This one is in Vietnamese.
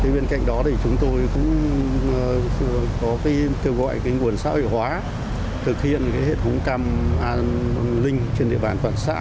bên cạnh đó chúng tôi cũng có kêu gọi nguồn xã hội hóa thực hiện hệ thống cam an linh trên địa bàn toàn xã